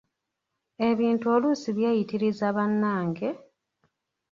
Ebintu oluusi byeyitiriza bannange!